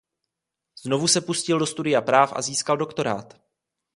Znovu se pustil do studia práv a získal doktorát.